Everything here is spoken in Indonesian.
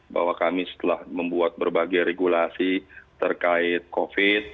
bahwa kami setelah membuat berbagai regulasi terkait covid